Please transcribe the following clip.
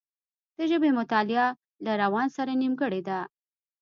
د ژبې مطالعه له روان سره نېمګړې ده